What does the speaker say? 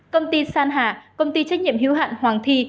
công ty san hà công ty trách nhiệm hữu hạn hoàng thi